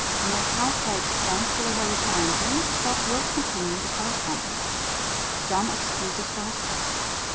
Miss Howe takes thankfully her reprehensions: but will continue the correspondence. Some excuses for herself.